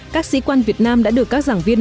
các sĩ quan việt nam đã được các giảng viên